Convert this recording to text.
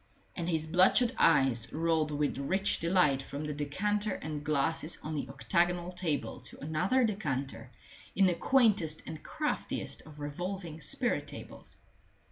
And his bloodshot eyes rolled with rich delight from the decanter and glasses on the octagonal table to another decanter in the quaintest and craftiest of revolving spirit tables.